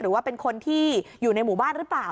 หรือว่าเป็นคนที่อยู่ในหมู่บ้านหรือเปล่า